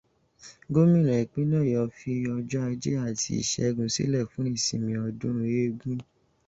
Gómínà ìpínlẹ̀ Ọ̀yọ́ fi ọjọ́ ajé àti Ìṣẹ́gun sílẹ̀ fún ìṣìnmi ọdún eégún